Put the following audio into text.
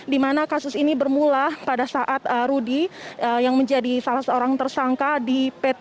di mana kasus ini bermula pada saat rudy yang menjadi salah seorang tersangka di pt